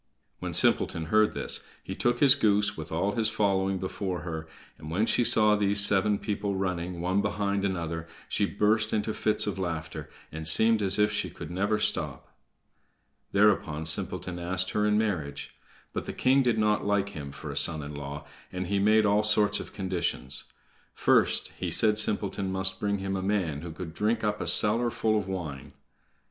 When Simpleton heard this he took his goose, with all his following, before her, and when she saw these seven people running, one behind another, she burst into fits of laughter, and seemed as if she could never stop. Thereupon Simpleton asked her in marriage. But the king did not like him for a son in law, and he made all sorts of conditions. First, he said Simpleton must bring him a man who could drink up a cellar full of wine.